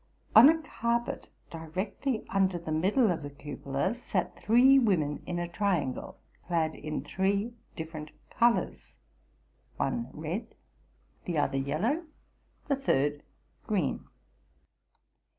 On a carpet, "directly under the middle of the cupola, sat three women in a triangle, clad in three different colors,—one red, the other yellow, the third green.